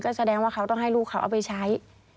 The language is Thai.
แสดงว่าเขาต้องให้ลูกเขาเอาไปใช้